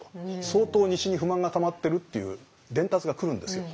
相当西に不満がたまってるっていう伝達が来るんですよ。